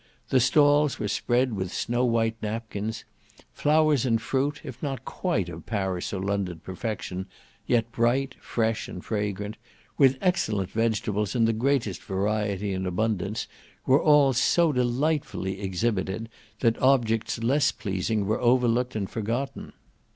The stalls were spread with snow white napkins; flowers and fruit, if not quite of Paris or London perfection, yet bright, fresh, and fragrant; with excellent vegetables in the greatest variety and abundance, were all so delightfully exhibited, that objects less pleasing were overlooked and forgotten.